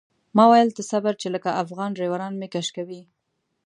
ما ویل ته صبر چې لکه افغان ډریوران مې کش کوي.